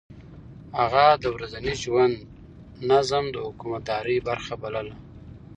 هغه د ورځني ژوند نظم د حکومتدارۍ برخه بلله.